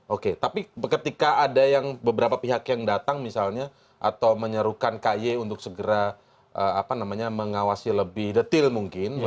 oke tapi ketika ada beberapa pihak yang datang misalnya atau menyerukan ky untuk segera mengawasi lebih detail mungkin